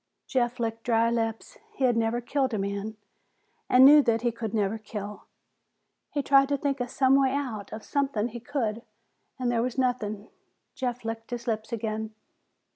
Jeff licked dry lips. He had never killed a man and knew that he could never kill. He tried to think of some way out, of something he could do, and there was nothing. Jeff licked his lips again.